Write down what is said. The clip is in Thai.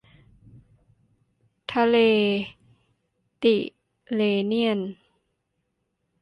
ทะเลติร์เรเนียน